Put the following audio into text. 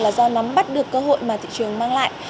là do nắm bắt được cơ hội mà thị trường mang lại